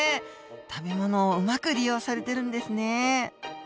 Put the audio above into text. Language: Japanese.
食べ物をうまく利用されてるんですね。